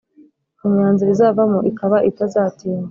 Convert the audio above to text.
imyanzuro izavamo ikaba itazatinda.